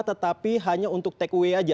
tetapi hanya untuk take away aja